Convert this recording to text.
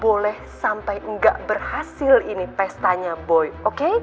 boleh sampai gak berhasil ini pestanya boy oke